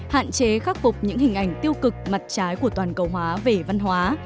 hạn chế khắc phục những hình ảnh tiêu cực mặt trái của toàn cầu hóa về văn hóa